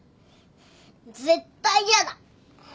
絶対やだ。